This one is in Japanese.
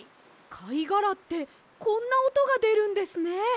かいがらってこんなおとがでるんですね！